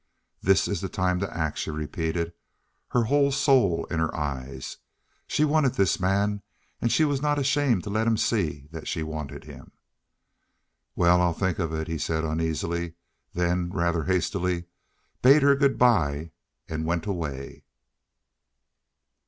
"This is the time to act," she repeated, her whole soul in her eyes. She wanted this man, and she was not ashamed to let him see that she wanted him. "Well, I'll think of it," he said uneasily, then, rather hastily, he bade her good by and went away.